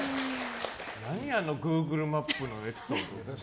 何あのグーグルマップのエピソード。